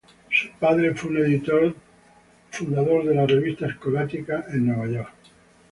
Su padre fue un editor, fundador de la Revista Escolástica en Nueva York.